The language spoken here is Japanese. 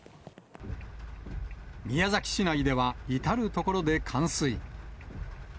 宮崎市内では至る所で冠水。